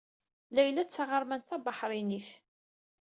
Layla d taɣermant tabaḥṛeynit.